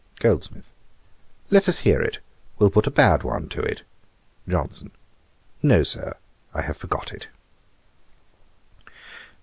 GOLDSMITH. 'Let us hear it; we'll put a bad one to it.. JOHNSON. 'No, Sir, I have forgot it.